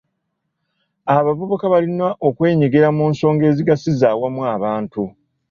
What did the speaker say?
Abavubuka balina okwenyigira mu nsonga ezigasiza awamu abantu.